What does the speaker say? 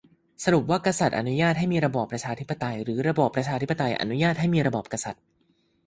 สรุปว่ากษัตริย์อนุญาตให้มีระบอบประชาธิปไตย หรือระบอบประชาธิปไตยอนุญาตให้มีระบอบกษัตริย์ ?